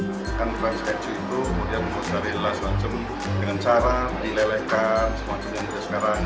makanan trans keju itu mungkin bisa dilihat semacam dengan cara dilelehkan semuanya yang ada sekarang